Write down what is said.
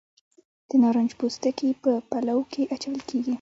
د نارنج پوستکي په پلو کې اچول کیږي.